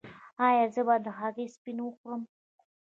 ایا زه باید د هګۍ سپین وخورم؟